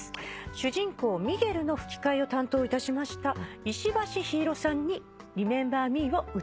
主人公ミゲルの吹き替えを担当いたしました石橋陽彩さんに『リメンバー・ミー』を歌っていただきます。